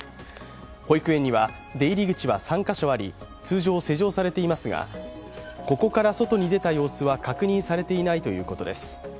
保育園には出入り口は３カ所あり通常施錠されていますがここから外に出た様子は確認されていないということです。